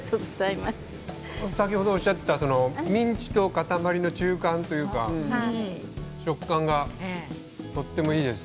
先ほどおっしゃっていたミンチと塊の中間というか食感がとてもいいです。